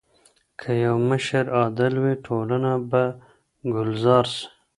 که يو مشر عادل وي ټولنه به ګلزار سي.